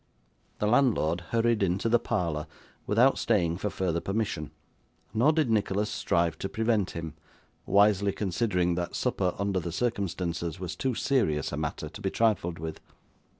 The landlord hurried into the parlour, without staying for further permission, nor did Nicholas strive to prevent him: wisely considering that supper, under the circumstances, was too serious a matter to be trifled with.